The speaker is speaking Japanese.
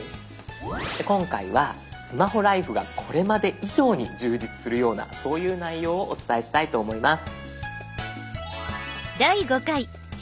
今回はスマホライフがこれまで以上に充実するようなそういう内容をお伝えしたいと思います。